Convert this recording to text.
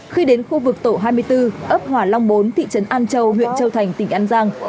khi đến khu vực tổ hai mươi bốn ấp hòa long bốn thị trấn an châu huyện châu thành tỉnh an giang